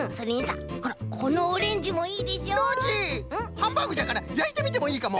ハンバーグじゃからやいてみてもいいかも。